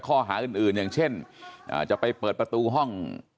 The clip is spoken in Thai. เค้ามาปลดประตูห้อง